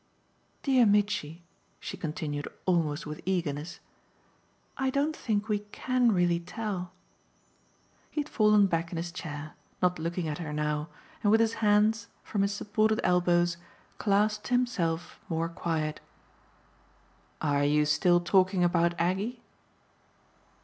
Dear Mitchy," she continued almost with eagerness, "I don't think we CAN really tell." He had fallen back in his chair, not looking at her now, and with his hands, from his supported elbows, clasped to keep himself more quiet. "Are you still talking about Aggie?"